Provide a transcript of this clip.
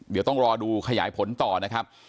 เดี๋ยวต้องรอดูขยายผลต่อนะครับ